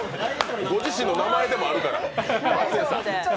ご自身の名前でもあるから。